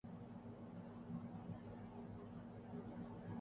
تری یہی اہمیت ہے میری کہانیوں میں